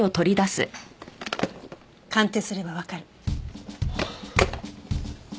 鑑定すればわかる。